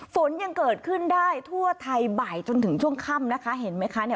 ฝนยังเกิดขึ้นได้ทั่วไทยบ่ายจนถึงช่วงค่ำนะคะเห็นไหมคะเนี่ย